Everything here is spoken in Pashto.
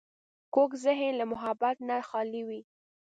کوږ ذهن له محبت نه خالي وي